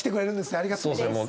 ありがとうございます。